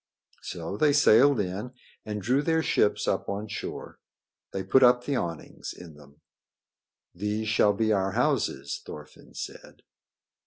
So they sailed in and drew their ships up on shore. They put up the awnings in them. "These shall be our houses," Thorfinn said.